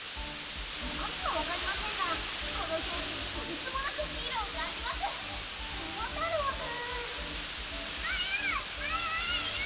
中身は分かりませんがこの表紙にとてつもなくヒーローを感じますももたろうかえるぅ！